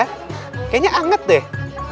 kayaknya anget deh